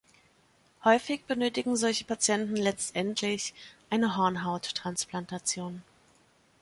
Häufig benötigen solche Patienten letztendlich eine Hornhauttransplantation.